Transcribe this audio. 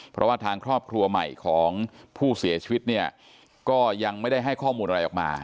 เพราะว่าทางครอบครัวใหม่ของผู้เสียชีวิตเนี่ยก็ยังไม่ได้ให้ข้อมูลอะไรออกมา